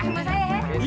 masalah ya hei